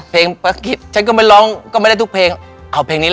เพราะว่ามันร้องได้มันนึกเมลดี้ออก